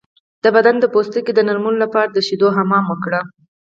د بدن د پوستکي د نرمولو لپاره د شیدو حمام وکړئ